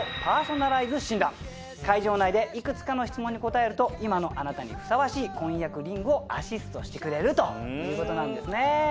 会場内でいくつかの質問に答えると今のあなたにふさわしい婚約リングをアシストしてくれるということなんですね。